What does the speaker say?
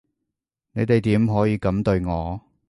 你哋點可以噉對我？